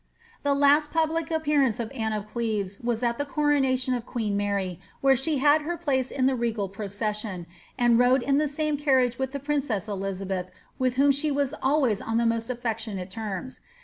The last public appearance of Anne of Cleyes was at the coronation f queen Mary, where she had her place in the regal procession, and ode in the same carriage with the princess Elizabeth, with whom she r» always on the most affectionate terms.